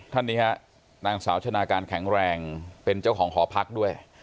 ท่านนี้ฮะนางสาวชนะการแข็งแรงเป็นเจ้าของหอพักด้วย